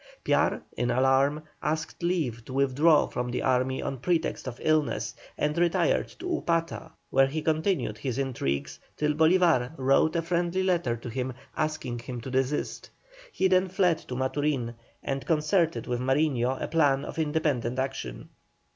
Piar, in alarm, asked leave to withdraw from the army on pretext of illness, and retired to Upata, where he continued his intrigues till Bolívar wrote a friendly letter to him asking him to desist. He then fled to Maturin and concerted with Mariño a plan of independent action.